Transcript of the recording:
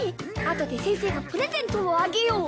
後で先生がプレゼントをあげよう。